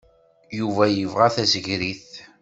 Yuba yebɣa tasegrit.